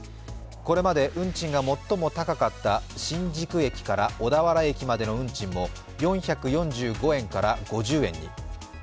これまで運賃が最も高かった新宿駅から小田原駅までの運賃も４４５円から５０円に。